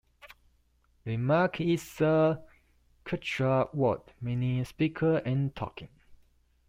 Rimaq is a Quechua word, meaning "speaker" and "talking".